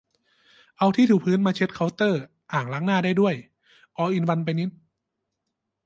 เอาที่ถูพื้นมาเช็ดเคาน์เตอร์อ่างล้างหน้าได้ด้วย ออลอินวันไปนิด